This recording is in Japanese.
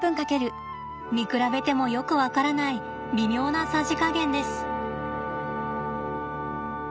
見比べてもよく分からない微妙なさじ加減です。